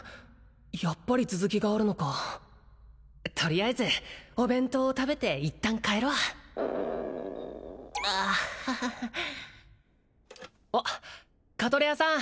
やっぱり続きがあるのかとりあえずお弁当を食べて一旦帰ろうアハハあっカトレアさん